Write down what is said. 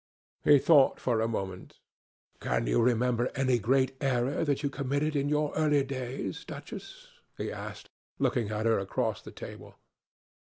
He thought for a moment. "Can you remember any great error that you committed in your early days, Duchess?" he asked, looking at her across the table.